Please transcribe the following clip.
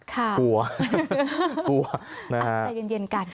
ครับอาจจะเย็นกัน